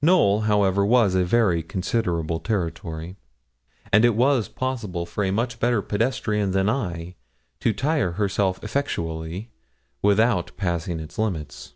Knowl, however, was a very considerable territory, and it was possible for a much better pedestrian than I to tire herself effectually, without passing its limits.